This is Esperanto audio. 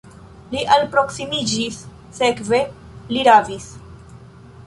Li alproksimiĝis, sekve li ravis.